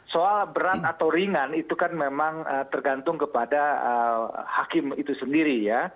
soal berat atau ringan itu kan memang tergantung kepada hakim itu sendiri ya